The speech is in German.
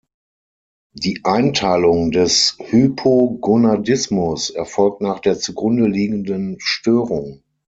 Die Einteilung des Hypogonadismus erfolgt nach der zugrunde liegenden Störung.